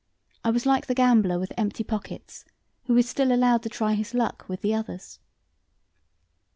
I was like the gambler with empty pockets, who is still allowed to try his luck with the others.